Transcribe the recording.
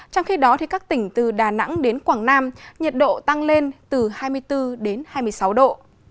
trong khi đó các tỉnh từ đà nẵng đến quảng nam nhiệt độ tăng lên từ hai mươi bốn đến hai mươi sáu độ